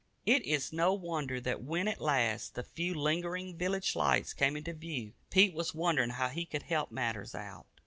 It is no wonder that when at last the few lingering village lights came into view, Pete was wondering how he could help matters out.